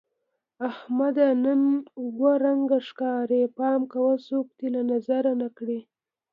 احمده! نن اووه رنگه ښکارې. پام کوه څوک دې له نظره نه کړي.